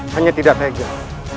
hanya tidak tegas